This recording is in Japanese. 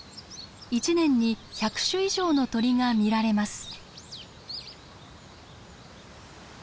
一年に１００種以上の鳥が見られます。